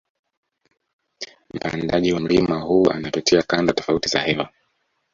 Mpandaji wa mlima huu anapitia kanda tofati za hewa